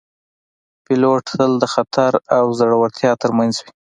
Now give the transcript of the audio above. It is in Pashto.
پیلوټ تل د خطر او زړورتیا ترمنځ وي